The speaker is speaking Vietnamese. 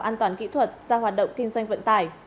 an toàn kỹ thuật ra hoạt động kinh doanh vận tải